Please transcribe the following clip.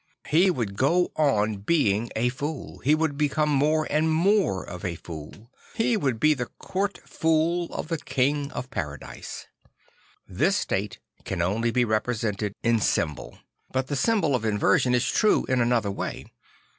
He would go on being a fool; he would become more and more of a fool; he would be the court fool of the King of Paradise. This state can only be represented in symbol; but the symbol of inversion is true in another way.